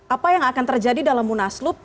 apa yang akan terjadi dalam munaslup